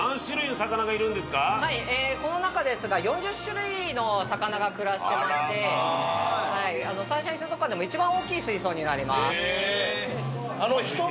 この中ですが４０種類の魚が暮らしてましてサンシャイン水族館でも一番大きい水槽になります。